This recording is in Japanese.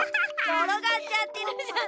ころがっちゃってるじゃない。